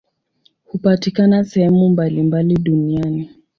Hupatikana sehemu mbalimbali duniani.